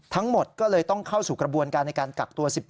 ทั้งหมดก็เลยต้องเข้าสู่กระบวนการในการกักตัว๑๔